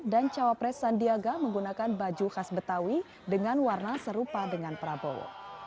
dan cawapres sandiaga menggunakan baju khas betawi dengan warna serupa dengan prabowo